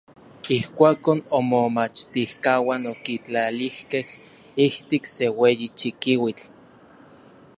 Ijkuakon imomachtijkauan okitlalijkej ijtik se ueyi chikiuitl.